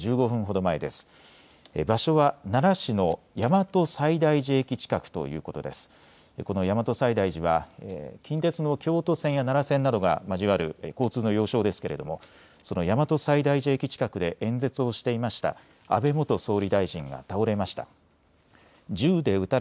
この大和西大寺は近鉄の京都線や奈良線などが交わる交通の要衝ですけれどもその大和西大寺駅近くで演説をしていました安倍元総理大臣が倒れました。